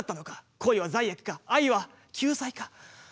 恋は罪悪か愛は救済か。